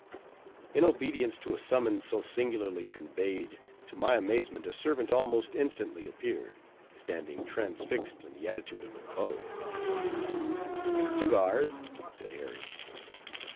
In obedience to a summons so singularly conveyed, to my amazement a servant almost instantly appeared, standing transfixed in the attitude of a bow. "Cigars," said Harry.